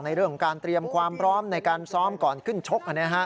ในเรื่องของการเตรียมความพร้อมในการซ้อมก่อนขึ้นชก